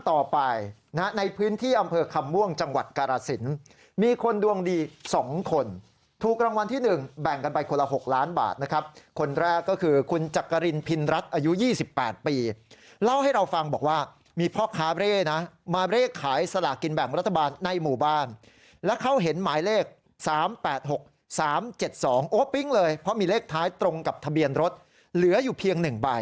ต่อไปนะในพื้นที่อำเภอคำม่วงจังหวัดกรสินมีคนดวงดี๒คนถูกรางวัลที่๑แบ่งกันไปคนละ๖ล้านบาทนะครับคนแรกก็คือคุณจักรินพินรัฐอายุ๒๘ปีเล่าให้เราฟังบอกว่ามีพ่อค้าเร่นะมาเลขขายสลากินแบ่งรัฐบาลในหมู่บ้านแล้วเขาเห็นหมายเลข๓๘๖๓๗๒โอ้ปิ๊งเลยเพราะมีเลขท้ายตรงกับทะเบียนรถเหลืออยู่เพียง๑ใบ